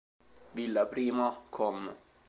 Villa Prima, com.